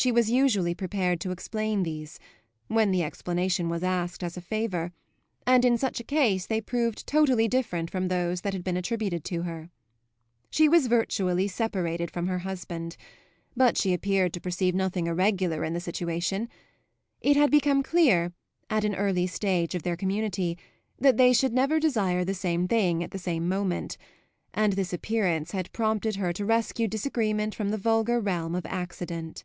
She was usually prepared to explain these when the explanation was asked as a favour; and in such a case they proved totally different from those that had been attributed to her. She was virtually separated from her husband, but she appeared to perceive nothing irregular in the situation. It had become clear, at an early stage of their community, that they should never desire the same thing at the same moment, and this appearance had prompted her to rescue disagreement from the vulgar realm of accident.